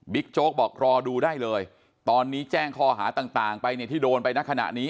โจ๊กบอกรอดูได้เลยตอนนี้แจ้งข้อหาต่างไปเนี่ยที่โดนไปในขณะนี้